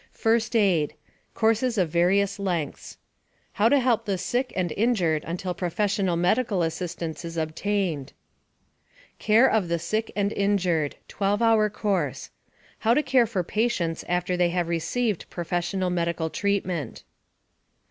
"FIRST AID" (courses of various lengths) How to help the sick and injured until professional medical assistance is obtained. "CARE OF THE SICK AND INJURED" (12 hour course) How to care for patients after they have received professional medical treatment.